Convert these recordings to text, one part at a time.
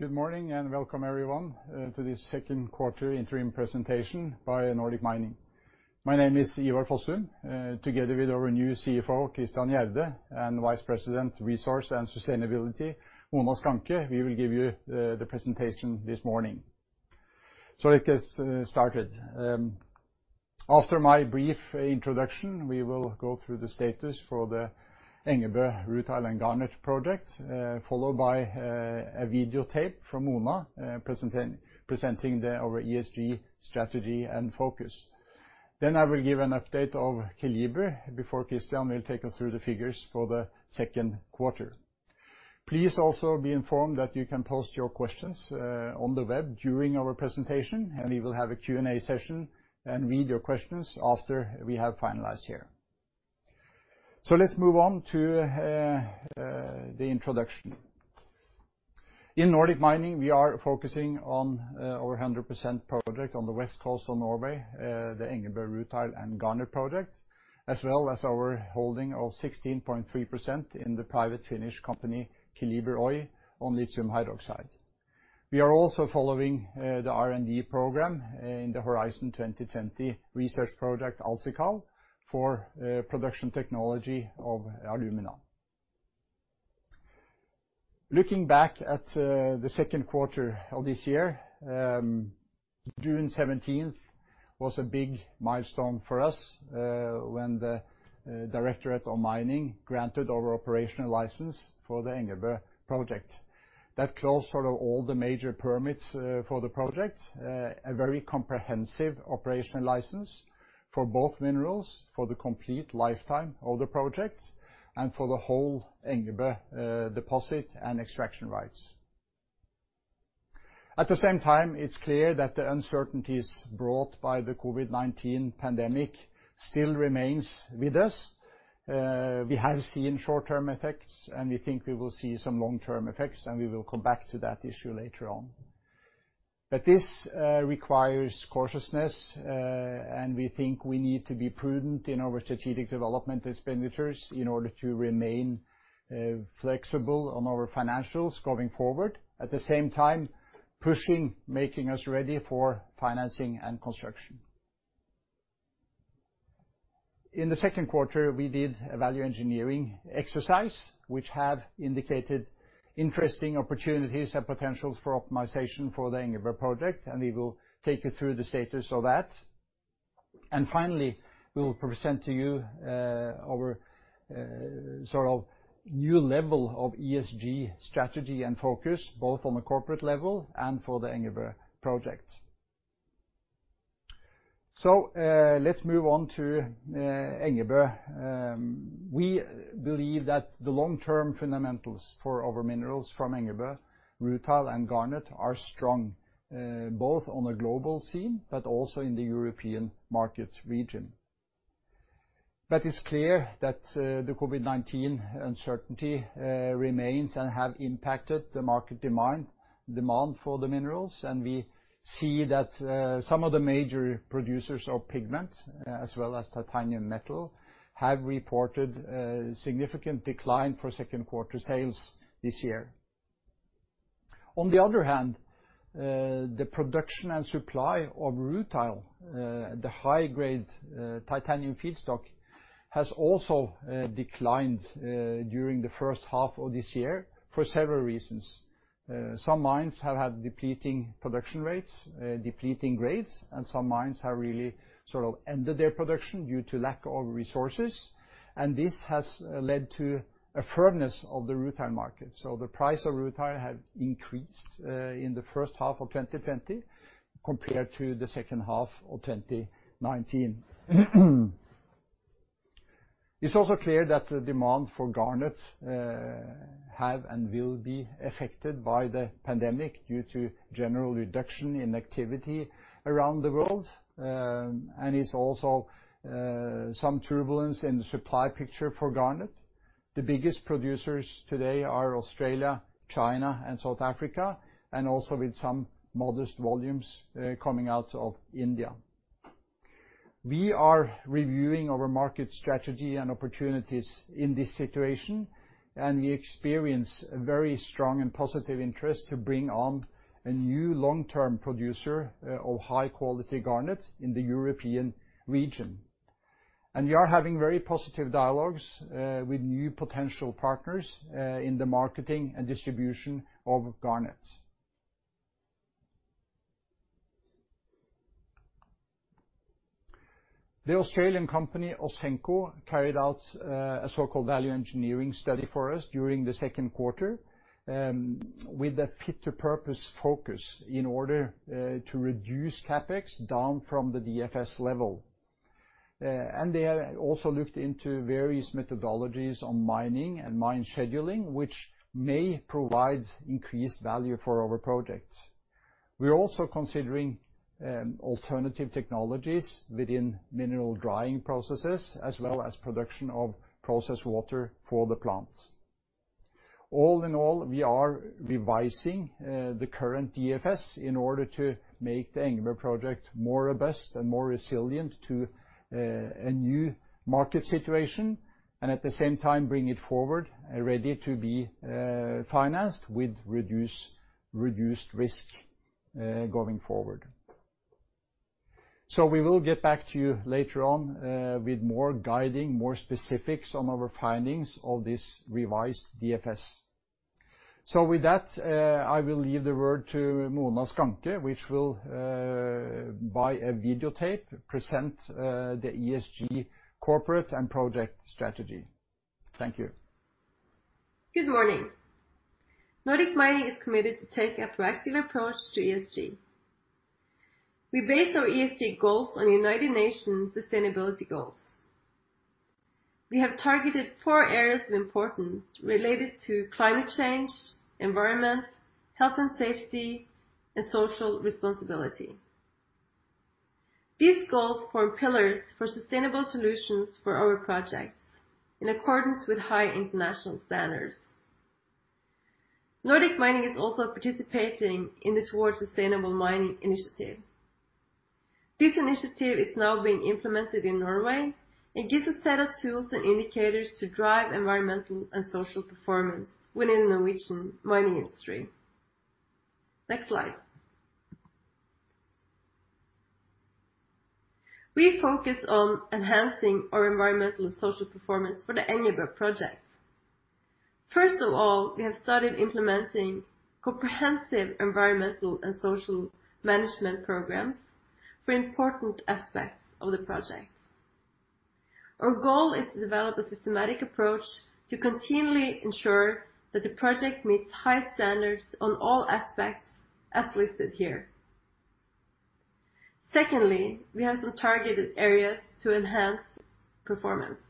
Good morning and welcome, everyone, to the second quarter interim presentation by Nordic Mining. My name is Ivar Fossum. Together with our new CFO, Christian Gjerde, and Vice President Resource and Sustainability, Mona Schanche, we will give you the presentation this morning. Let's get started. After my brief introduction, we will go through the status for the Engebø Rutile & Garnet project, followed by a videotape from Mona presenting our ESG strategy and focus. I will give an update of Kjeldebu before Christian will take us through the figures for the second quarter. Please also be informed that you can post your questions on the web during our presentation, and we will have a Q&A session and read your questions after we have finalized here. Let's move on to the introduction. In Nordic Mining, we are focusing on our 100% project on the west coast of Norway, the Engebø Rutile & Garnet project, as well as our holding of 16.3% in the private Finnish company Keliber Oy on lithium hydroxide. We are also following the R&D program in the Horizon 2020 research project Altsikal for production technology of alumina. Looking back at the second quarter of this year, June 17th was a big milestone for us when the Directorate of Mining granted our operational license for the Engebø project. That closed sort of all the major permits for the project, a very comprehensive operational license for both minerals for the complete lifetime of the project and for the whole Engebø deposit and extraction rights. At the same time, it's clear that the uncertainties brought by the COVID-19 pandemic still remain with us. We have seen short-term effects, and we think we will see some long-term effects, and we will come back to that issue later on. This requires cautiousness, and we think we need to be prudent in our strategic development expenditures in order to remain flexible on our financials going forward, at the same time pushing, making us ready for financing and construction. In the second quarter, we did a value engineering exercise, which has indicated interesting opportunities and potentials for optimization for the Engebø project, and we will take you through the status of that. Finally, we will present to you our sort of new level of ESG strategy and focus, both on the corporate level and for the Engebø project. Let's move on to Engebø. We believe that the long-term fundamentals for our minerals from Engebø, rutile and garnet are strong, both on the global scene but also in the European market region. It's clear that the COVID-19 uncertainty remains and has impacted the market demand for the minerals, and we see that some of the major producers of pigments, as well as titanium metal, have reported a significant decline for second quarter sales this year. On the other hand, the production and supply of rutile, the high-grade titanium feedstock, has also declined during the first half of this year for several reasons. Some mines have had depleting production rates, depleting grades, and some mines have really sort of ended their production due to lack of resources, and this has led to a firmness of the rutile market. The price of rutile has increased in the first half of 2020 compared to the second half of 2019. It is also clear that the demand for garnet has and will be affected by the pandemic due to general reduction in activity around the world, and there is also some turbulence in the supply picture for garnet. The biggest producers today are Australia, China, and South Africa, with some modest volumes coming out of India. We are reviewing our market strategy and opportunities in this situation, and we experience a very strong and positive interest to bring on a new long-term producer of high-quality garnet in the European region. We are having very positive dialogues with new potential partners in the marketing and distribution of garnet. The Australian company Ausenco carried out a so-called value engineering study for us during the second quarter with a fit-to-purpose focus in order to reduce CapEx down from the DFS level. They have also looked into various methodologies on mining and mine scheduling, which may provide increased value for our project. We are also considering alternative technologies within mineral drying processes, as well as production of process water for the plants. All in all, we are revising the current DFS in order to make the Engebø project more robust and more resilient to a new market situation, and at the same time bring it forward ready to be financed with reduced risk going forward. We will get back to you later on with more guiding, more specifics on our findings of this revised DFS. With that, I will leave the word to Mona Schanche, which will, by a video tape, present the ESG corporate and project strategy. Thank you. Good morning. Nordic Mining is committed to take a proactive approach to ESG. We base our ESG goals on United Nations Sustainability Goals. We have targeted four areas of importance related to climate change, environment, health and safety, and social responsibility. These goals form pillars for sustainable solutions for our projects in accordance with high international standards. Nordic Mining is also participating in the Towards Sustainable Mining initiative. This initiative is now being implemented in Norway and gives a set of tools and indicators to drive environmental and social performance within the Norwegian mining industry. Next slide. We focus on enhancing our environmental and social performance for the Engebø project. First of all, we have started implementing comprehensive environmental and social management programs for important aspects of the project. Our goal is to develop a systematic approach to continually ensure that the project meets high standards on all aspects as listed here. Secondly, we have some targeted areas to enhance performance.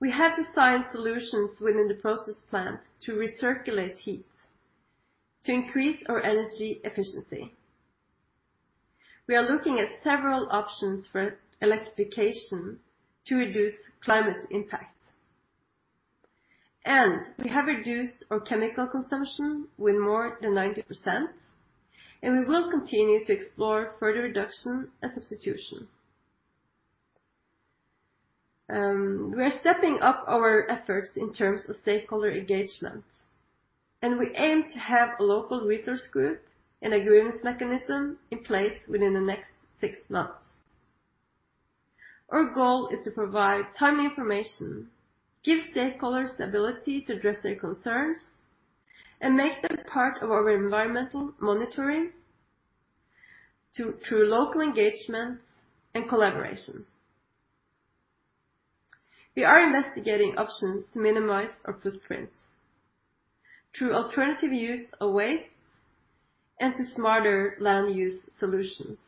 We have designed solutions within the process plant to recirculate heat to increase our energy efficiency. We are looking at several options for electrification to reduce climate impact. We have reduced our chemical consumption with more than 90%, and we will continue to explore further reduction and substitution. We are stepping up our efforts in terms of stakeholder engagement, and we aim to have a local resource group and agreements mechanism in place within the next six months. Our goal is to provide timely information, give stakeholders the ability to address their concerns, and make them part of our environmental monitoring through local engagement and collaboration. We are investigating options to minimize our footprint through alternative use of waste and to smarter land use solutions.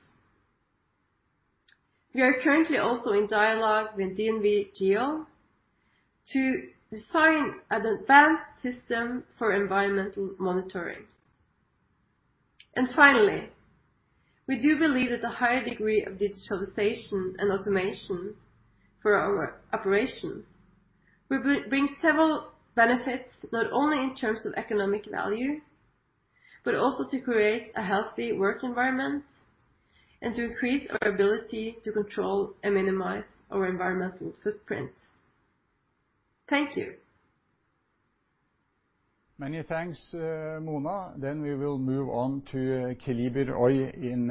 We are currently also in dialogue with DNV Geo to design an advanced system for environmental monitoring. We do believe that the higher degree of digitalization and automation for our operation will bring several benefits not only in terms of economic value, but also to create a healthy work environment and to increase our ability to control and minimize our environmental footprint. Thank you. Many thanks, Mona. We will move on to Keliber Oy in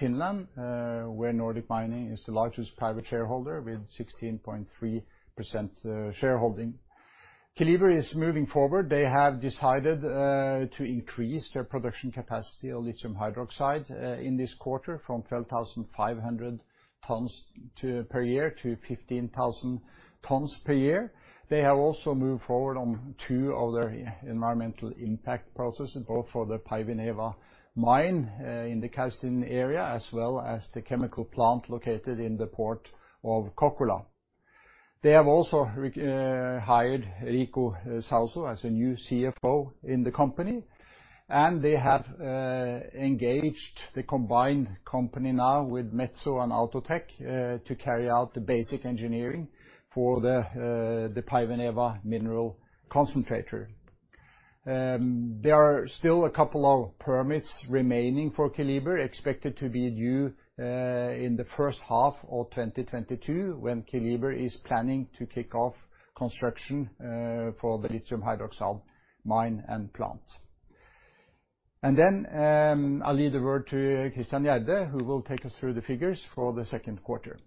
Finland, where Nordic Mining is the largest private shareholder with 16.3% shareholding. Keliber is moving forward. They have decided to increase their production capacity of lithium hydroxide in this quarter from 12,500 tons per year to 15,000 tons per year. They have also moved forward on two of their environmental impact processes, both for the Päiväneva mine in the Kaustinen area as well as the chemical plant located in the port of Kokkola. They have also hired Riku Sausu as a new CFO in the company, and they have engaged the combined company now with Metso and Outotec to carry out the basic engineering for the Päiväneva mineral concentrator. There are still a couple of permits remaining for Kjeldebu, expected to be due in the first half of 2022 when Kjeldebu is planning to kick off construction for the lithium hydroxide mine and plant. I will leave the word to Christian Gjerde, who will take us through the figures for the second quarter.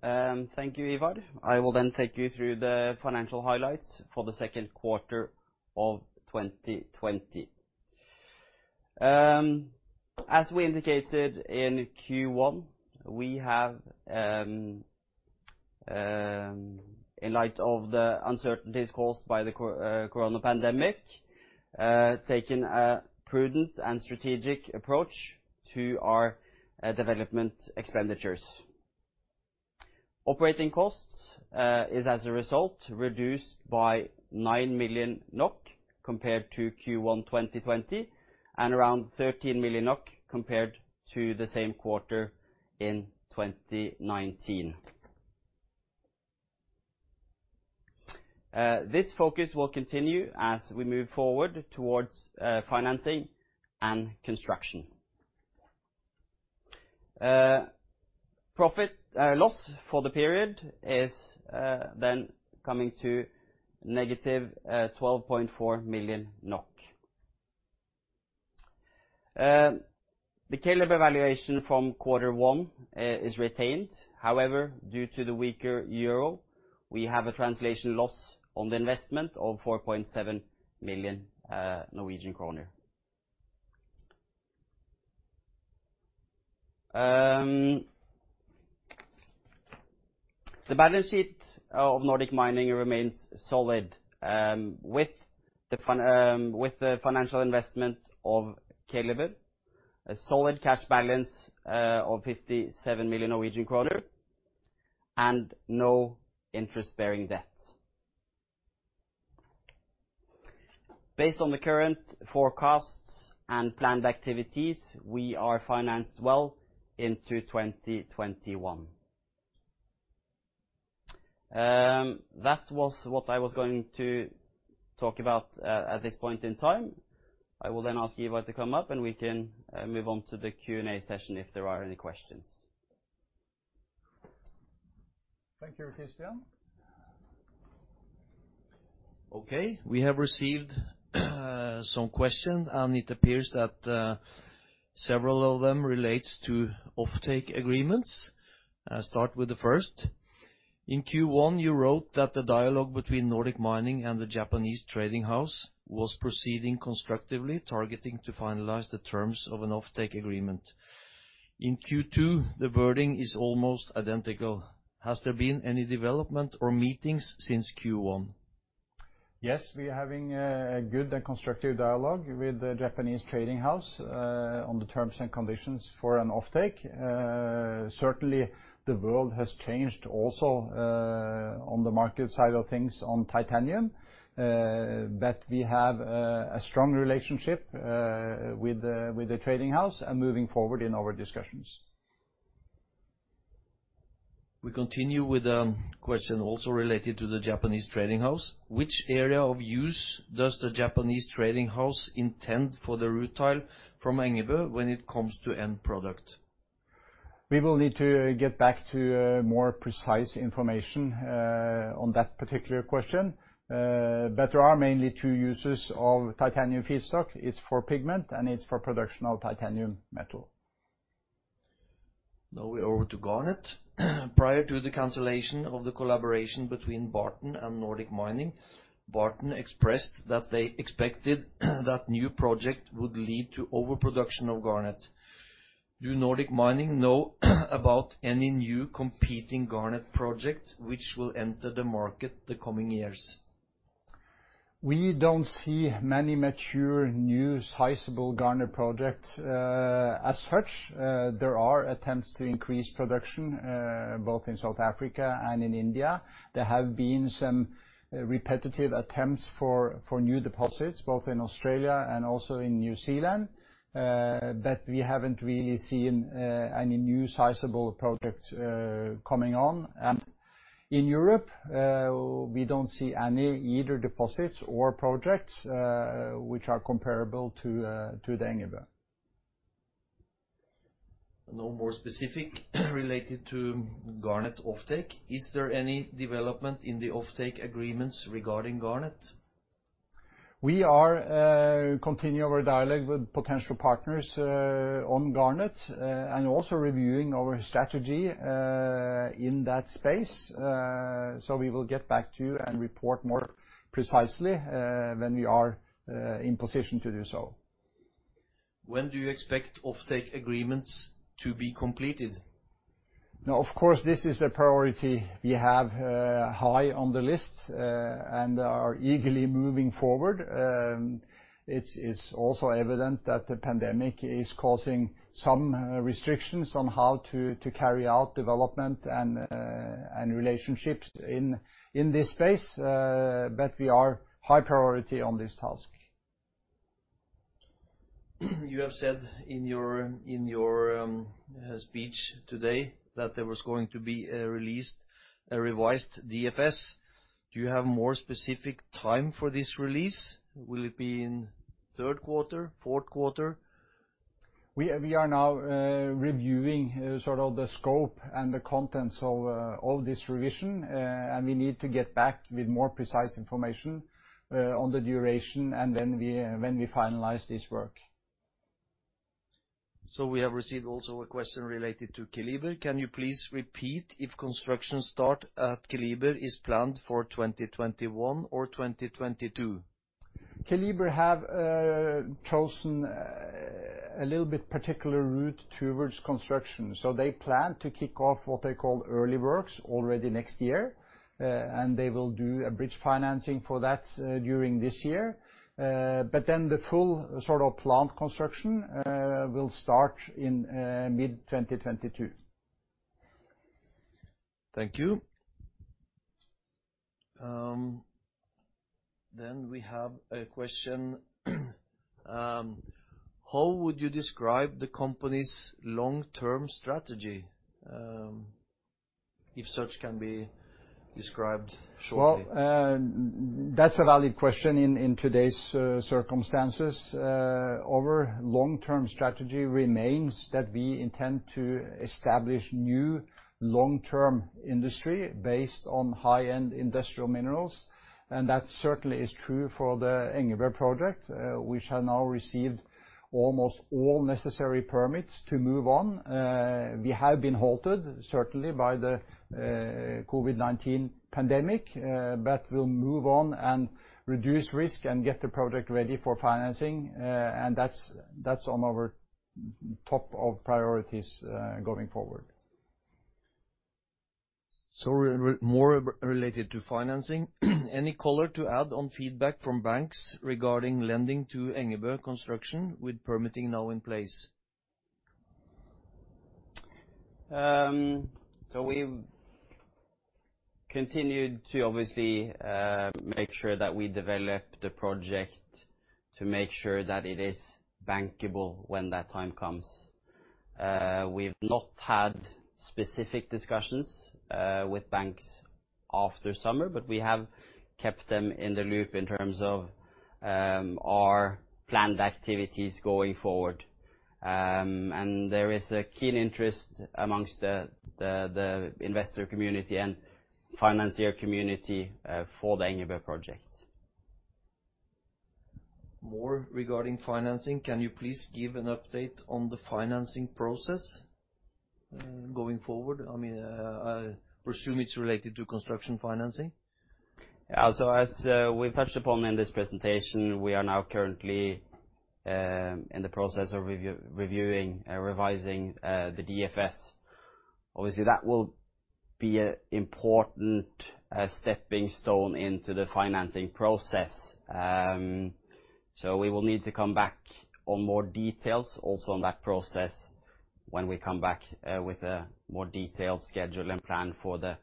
Thank you, Ivar. I will then take you through the financial highlights for the second quarter of 2020. As we indicated in Q1, we have, in light of the uncertainties caused by the corona pandemic, taken a prudent and strategic approach to our development expenditures. Operating costs is, as a result, reduced by 9 million NOK compared to Q1 2020 and around 13 million NOK compared to the same quarter in 2019. This focus will continue as we move forward towards financing and construction. Profit loss for the period is then coming to negative NOK 12.4 million. The Kjeldebu valuation from quarter one is retained. However, due to the weaker Euro, we have a translation loss on the investment of 4.7 million Norwegian kroner. The balance sheet of Nordic Mining remains solid with the financial investment of Keliber Oy, a solid cash balance of 57 million Norwegian kroner, and no interest-bearing debt. Based on the current forecasts and planned activities, we are financed well into 2021. That was what I was going to talk about at this point in time. I will then ask Ivar to come up, and we can move on to the Q&A session if there are any questions. Thank you, Christian. Okay. We have received some questions, and it appears that several of them relate to offtake agreements. I'll start with the first. In Q1, you wrote that the dialogue between Nordic Mining and the Japanese trading house was proceeding constructively, targeting to finalize the terms of an offtake agreement. In Q2, the wording is almost identical. Has there been any development or meetings since Q1? Yes, we are having a good and constructive dialogue with the Japanese trading house on the terms and conditions for an offtake. Certainly, the world has changed also on the market side of things on titanium, but we have a strong relationship with the trading house and moving forward in our discussions. We continue with a question also related to the Japanese trading house. Which area of use does the Japanese trading house intend for the rutile from Engebø when it comes to end product? We will need to get back to more precise information on that particular question, but there are mainly two uses of titanium feedstock. It's for pigment, and it's for production of titanium metal. Now we over to garnet. Prior to the cancellation of the collaboration between Barton and Nordic Mining, Barton expressed that they expected that new project would lead to overproduction of garnet. Do Nordic Mining know about any new competing garnet project which will enter the market the coming years? We don't see many mature new sizable garnet projects as such. There are attempts to increase production both in South Africa and in India. There have been some repetitive attempts for new deposits both in Australia and also in New Zealand, but we haven't really seen any new sizable projects coming on. In Europe, we don't see any either deposits or projects which are comparable to the Engebø. No more specific related to garnet offtake. Is there any development in the offtake agreements regarding garnet? We are continuing our dialogue with potential partners on garnet and also reviewing our strategy in that space. We will get back to you and report more precisely when we are in position to do so. When do you expect offtake agreements to be completed? Now, of course, this is a priority we have high on the list and are eagerly moving forward. It is also evident that the pandemic is causing some restrictions on how to carry out development and relationships in this space, but we are high priority on this task. You have said in your speech today that there was going to be a revised DFS. Do you have more specific time for this release? Will it be in third quarter, fourth quarter? We are now reviewing sort of the scope and the contents of this revision, and we need to get back with more precise information on the duration and when we finalize this work. We have received also a question related to Kjeldebu. Can you please repeat if construction start at Kjeldebu is planned for 2021 or 2022? Oy have chosen a little bit particular route towards construction. They plan to kick off what they call early works already next year, and they will do a bridge financing for that during this year. The full sort of plant construction will start in mid-2022. Thank you. We have a question. How would you describe the company's long-term strategy if such can be described shortly? That is a valid question in today's circumstances. Our long-term strategy remains that we intend to establish new long-term industry based on high-end industrial minerals, and that certainly is true for the Engebø project. We have now received almost all necessary permits to move on. We have been halted certainly by the COVID-19 pandemic, but we will move on and reduce risk and get the project ready for financing, and that is on our top of priorities going forward. More related to financing. Any color to add on feedback from banks regarding lending to Engebø construction with permitting now in place? We continue to obviously make sure that we develop the project to make sure that it is bankable when that time comes. We've not had specific discussions with banks after summer, but we have kept them in the loop in terms of our planned activities going forward. There is a keen interest amongst the investor community and financier community for the Engebø project. More regarding financing, can you please give an update on the financing process going forward? I mean, I assume it's related to construction financing. Yeah. As we've touched upon in this presentation, we are now currently in the process of reviewing and revising the DFS. Obviously, that will be an important stepping stone into the financing process. We will need to come back on more details also on that process when we come back with a more detailed schedule and plan for the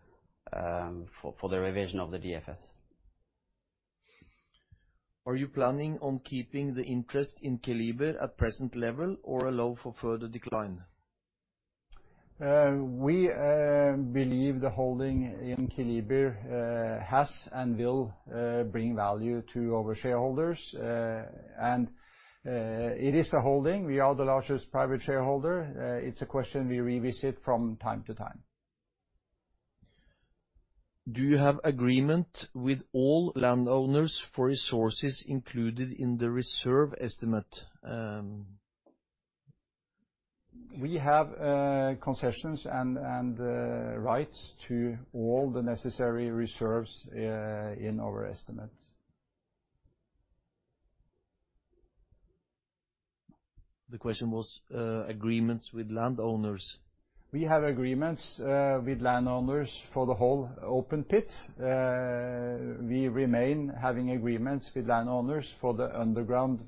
revision of the DFS. Are you planning on keeping the interest in Kjeldebu at present level or allow for further decline? We believe the holding in Keliber has and will bring value to our shareholders, and it is a holding. We are the largest private shareholder. It's a question we revisit from time to time. Do you have agreement with all landowners for resources included in the reserve estimate? We have concessions and rights to all the necessary reserves in our estimate. The question was agreements with landowners. We have agreements with landowners for the whole open pit. We remain having agreements with landowners for the underground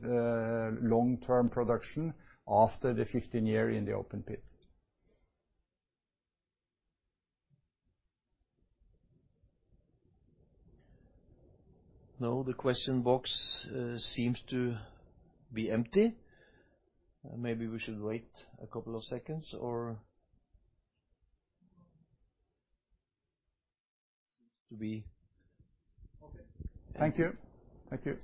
long-term production after the 15-year in the open pit. Now the question box seems to be empty. Maybe we should wait a couple of seconds or. Thank you. Thank you.